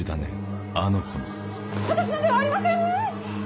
私のではありません！